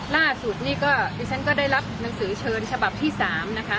ล่าสุดนี่ก็ดิฉันก็ได้รับหนังสือเชิญฉบับที่๓นะคะ